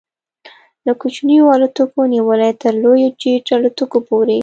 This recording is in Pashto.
له کوچنیو الوتکو نیولې تر لویو جيټ الوتکو پورې